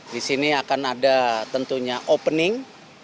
di sini akan ada tentunya opening